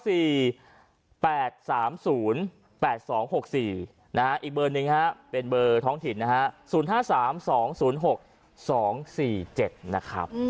๐๙๔๘๓๐๘๒๖๔อีกเบอร์นึงเป็นเบอร์ท้องถิ่น๐๕๓๒๐๖๒๔๗นะครับ